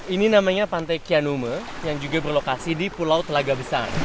ini namanya pantai kianume yang juga berlokasi di pulau telaga besar